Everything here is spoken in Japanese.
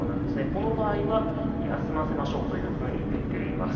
この場合は、休ませましょうというふうに出ています。